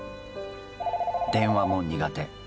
電話も苦手